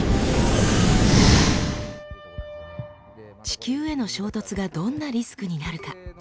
地球への衝突がどんなリスクになるか？